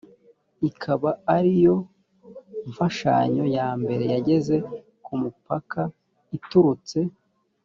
ikaba ari yo mfashanyo ya mbere yageze ku mupaka iturutse